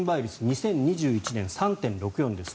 ２０２１年、３．６４です。